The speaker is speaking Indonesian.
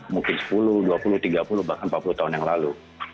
mungkin sepuluh dua puluh tiga puluh bahkan empat puluh tahun yang lalu